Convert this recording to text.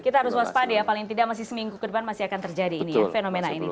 kita harus waspada ya paling tidak masih seminggu ke depan masih akan terjadi ini ya fenomena ini